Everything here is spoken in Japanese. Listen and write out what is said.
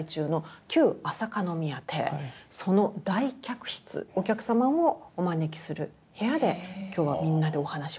その大客室お客様をお招きする部屋で今日はみんなでお話をしていこうと。